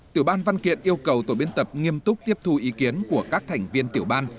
tiểu ban văn kiện yêu cầu tổ biên tập nghiêm túc tiếp thu ý kiến của các thành viên tiểu ban